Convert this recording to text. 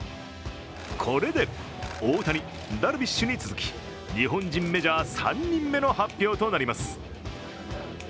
これで大谷、ダルビッシュに続き、日本人メジャー３人目の発表となります。